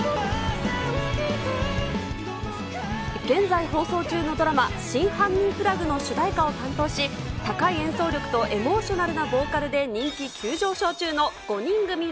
現在放送中のドラマ、真犯人フラグの主題歌を担当し、高い演奏力とエモーショナルなボーカルで人気急上昇中の５人組